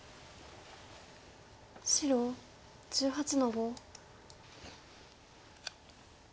白１８の五。